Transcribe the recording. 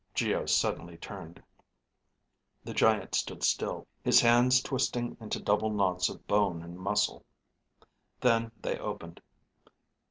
Geo suddenly turned. The giant stood still, his hands twisting into double knots of bone and muscle. Then they opened.